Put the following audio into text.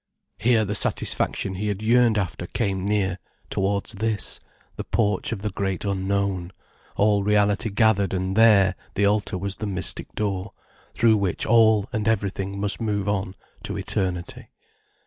Here the satisfaction he had yearned after came near, towards this, the porch of the great Unknown, all reality gathered, and there, the altar was the mystic door, through which all and everything must move on to eternity.